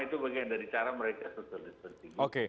itu bagian dari cara mereka social distancing